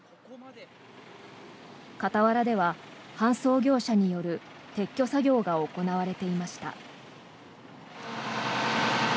傍らでは、搬送業者による撤去作業が行われていました。